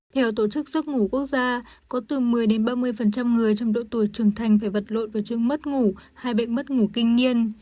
theo tổ chức giấc ngủ quốc gia có từ một mươi ba mươi người trong độ tuổi trưởng thành phải vật lộn và trường mất ngủ hay bệnh mất ngủ kinh niên